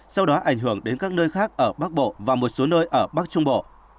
sau đó ảnh hưởng đến các nơi khác ở bắc bộ và một số nơi ở bắc trung bộ